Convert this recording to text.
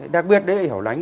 đặc biệt đấy là hẻo lánh